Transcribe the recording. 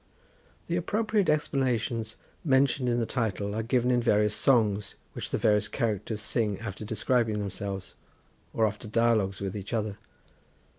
The appropriate explanations mentioned in the title are given in various songs which the various characters sing after describing themselves, or after dialogues with each other.